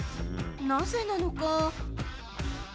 なぜなのか。